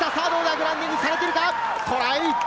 グラウンディングされているか？